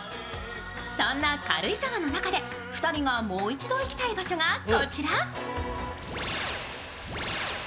そんな軽井沢の中で２人がもう一度行きたい場所がこちら。